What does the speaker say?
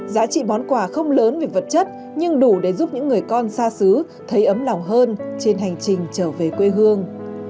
giá trị món quà không lớn về vật chất nhưng đủ để giúp những người con xa xứ thấy ấm lòng hơn trên hành trình trở về quê hương